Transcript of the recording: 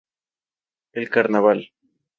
El carnaval.